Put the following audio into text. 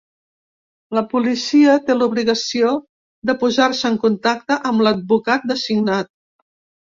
La policia té l’obligació de posar-se en contacte amb l’advocat designat.